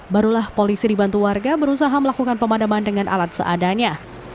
barulah polisi dibantu warga berusaha melakukan pemadaman dengan alat seadanya